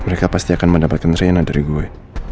mereka pasti akan mendapatkan reina dari gue